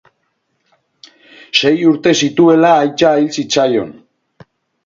Sei urte zituela aita hil zitzaion.